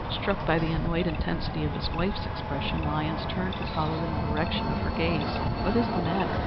Struck by the annoyed intensity of his wife's expression, Lyons turned to follow the direction of her gaze. "What is the matter?"